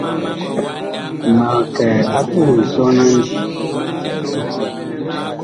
Ma kɛ a puh nsɔn a ndii.